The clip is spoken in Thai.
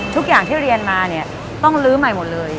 ทุกอย่างที่เรียนมาเนี่ยต้องลื้อใหม่หมดเลย